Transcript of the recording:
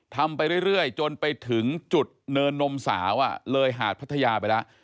ทำไปเรื่อยจนไปถึงจุดเนินนมสาวเลยหาดพัทยาไปแล้ว